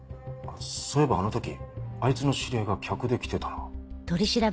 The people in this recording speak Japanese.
そういえばあの時あいつの知り合いが客で来てたな。